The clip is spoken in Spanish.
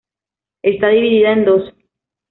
Está dividida en dos.